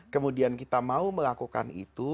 kemudian kita mau melakukan itu